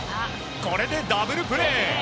これでダブルプレー！